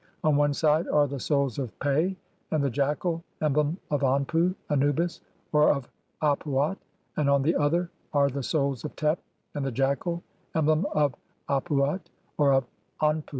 On one side are the Souls of Pe, and the jackal, emblem of Anpu (Anubis) or of Ap uat ; and on the other are the Souls of Tep and the jackal, emblem of Ap uat or of Anpu.